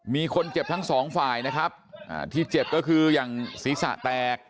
มีคนเจ็บทั้งสองฝ่ายนะครับที่เจ็บก็คืออย่างศีรษะแตก